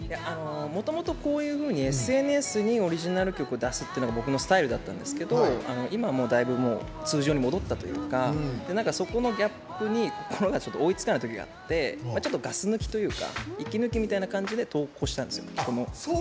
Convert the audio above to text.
もともとこういうふうにＳＮＳでオリジナル曲を出すというのが僕のスタイルだったんですけど今だいぶ通常に戻ったというかそこのギャップに追いつかないときがあってガス抜きというか息抜きみたいな感じで投稿したんですよ。